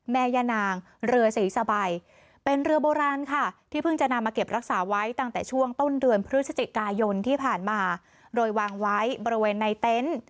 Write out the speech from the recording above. แม่ย่านางเรือศรีสบายเป็นเรือโบราณค่ะที่เพิ่งจะนำมาเก็บรักษาไว้ตั้งแต่ช่วงต้นเดือนพฤศจิกายนที่ผ่านมาโดยวางไว้บริเวณในเต็นต์